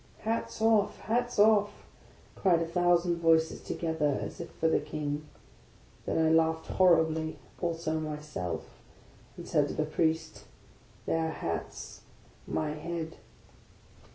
" Hats off ! hats off !" cried a thousand voices together, as if for the King. Then I laughed horribly also myself, and said to the Priest, " Their hats — my head."